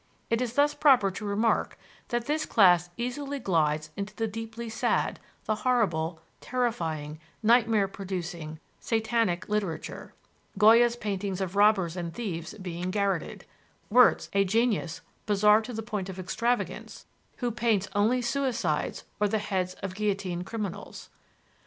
It is thus proper to remark that this class easily glides into the deeply sad, the horrible, terrifying, nightmare producing, "satanic literature;" Goya's paintings of robbers and thieves being garroted; Wiertz, a genius bizarre to the point of extravagance, who paints only suicides or the heads of guillotined criminals.